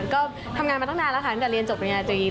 ก็ทำงานมาตั้งนานแล้วค่ะตั้งแต่เรียนจบในเมืองไทย